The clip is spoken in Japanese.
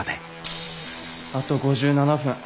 あと５７分。